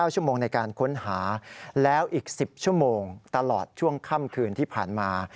ชั่วโมงในการค้นหาแล้วอีก๑๐ชั่วโมงตลอดช่วงค่ำคืนที่ผ่านมา